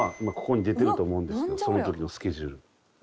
今ここに出てると思うんですけどその時のスケジュール。